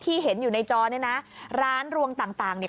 เห็นอยู่ในจอเนี่ยนะร้านรวงต่างต่างเนี่ย